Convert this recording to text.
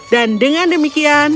dan dengan demikian